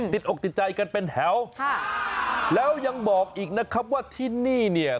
ติดอกติดใจกันเป็นแถวค่ะแล้วยังบอกอีกนะครับว่าที่นี่เนี่ย